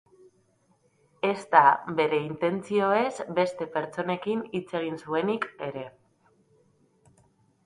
Ezta bere intentzioez beste pertsonekin hitz egin zuenik ere.